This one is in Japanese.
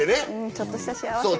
ちょっとした幸せがね。